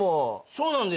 そうなんですよ。